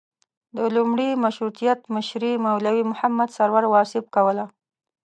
د لومړي مشروطیت مشري مولوي محمد سرور واصف کوله.